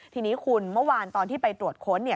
ทีนี้คุณเมื่อวานตอนที่ไปตรวจค้น